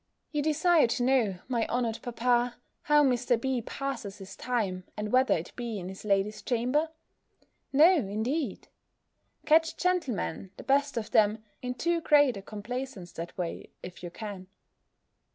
You desire to know, my honoured papa, how Mr. B. passes his time, and whether it be in his lady's chamber? No, indeed! Catch gentlemen, the best of them, in too great a complaisance that way, if you can.